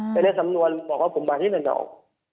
แต่ในสำนวนบอกว่าผมหมายที่๑ออก